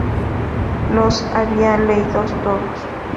Los había leído todos.